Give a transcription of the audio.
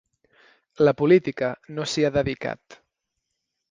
La política no s’hi ha dedicat.